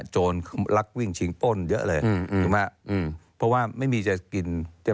โจรรักวิ่งชิงป้นเยอะเลยเพราะว่าไม่มีใจกิน